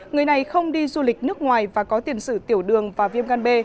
người này không đi du lịch nước ngoài và có tiền sử tiểu đường và viêm gan b